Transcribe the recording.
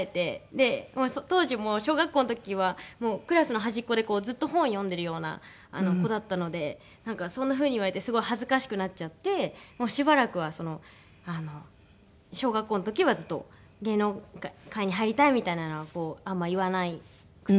で当時小学校の時はもうクラスの端っこでずっと本を読んでるような子だったのでなんかそんな風に言われてすごい恥ずかしくなっちゃってもうしばらくはその小学校の時はずっと「芸能界に入りたい」みたいなのはこうあんま言わなくて。